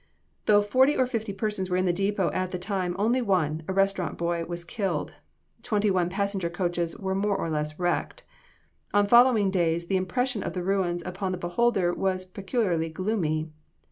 [Illustration: UNION DEPOT, LOUISVILLE.] Though forty or fifty persons were in the depot at the time, only one, a restaurant boy, was killed; Twenty one passenger coaches were more or less wrecked. On following days the impression of the ruins upon the beholder was peculiarly gloomy.